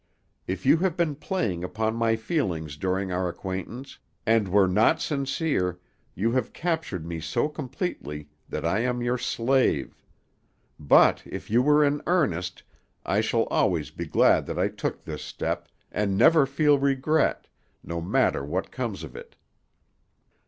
If you have been playing upon my feelings during our acquaintance, and were not sincere, you have captured me so completely that I am your slave. But if you were in earnest, I shall always be glad that I took this step, and never feel regret, no matter what comes of it.